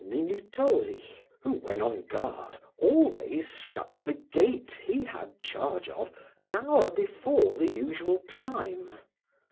Minutoli, who, when on guard, always shut the gate he had charge of an hour before the usual time.